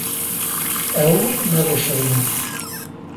Ew nebişirîne.